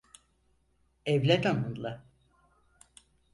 Evlen onunla.